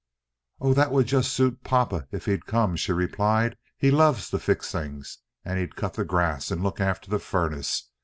"Oh, that would just suit papa, if he'd come," she replied. "He loves to fix things, and he'd cut the grass and look after the furnace.